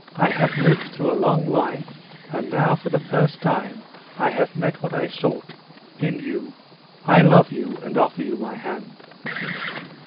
I have lived through a long life, and now for the first time I have met what I sought—in you. I love you, and offer you my hand."